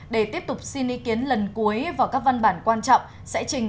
để tiếp tục xin ý kiến lần cuối vào các văn bản quan trọng sẽ trình